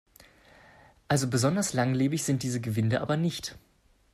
Also besonders langlebig sind diese Gewinde aber nicht.